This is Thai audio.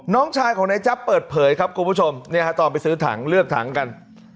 น้องชายของนายจั๊บเปิดเผยครับคุณผู้ชมเนี่ยฮะตอนไปซื้อถังเลือกถังกัน